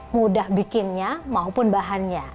mudah bikinnya maupun bahannya